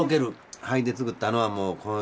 灰で作ったのはもうこの味ですね。